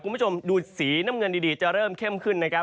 คุณผู้ชมดูสีน้ำเงินดีจะเริ่มเข้มขึ้นนะครับ